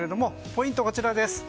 ポイント、こちらです。